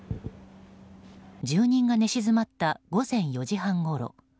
住人が寝静まった午前４時半ごろ。